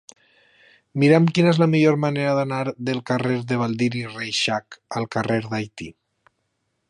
Mira'm quina és la millor manera d'anar del carrer de Baldiri Reixac al carrer d'Haití.